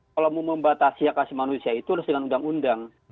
kalau membatasi akasi manusia itu harus dengan undang undang